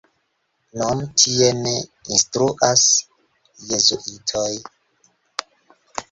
Nun tie ne instruas jezuitoj.